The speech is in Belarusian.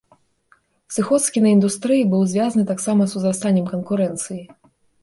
Сыход з кінаіндустрыі быў звязаны таксама з узрастаннем канкурэнцыі.